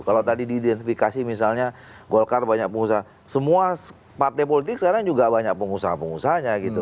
kalau tadi diidentifikasi misalnya golkar banyak pengusaha semua partai politik sekarang juga banyak pengusaha pengusahanya gitu